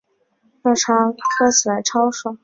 热茶喝起来超爽